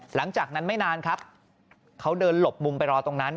หลังจากนั้นไม่นานครับเขาเดินหลบมุมไปรอตรงนั้น